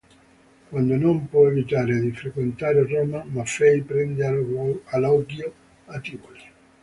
Quando non può evitare di frequentare Roma, Maffei prende alloggio a Tivoli.